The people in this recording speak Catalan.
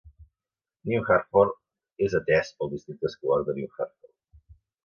New Hartford és atès pel districte escolar de New Hartford.